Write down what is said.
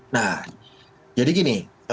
nah jadi gini